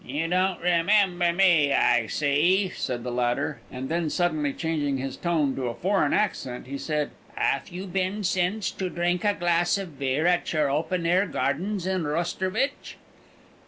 "You don't remember me, I see," said the latter; and then suddenly changing his tone to a foreign accent, he said: "Haf you been since to drink a glass of beer at your open air gardens at Rosherwich?"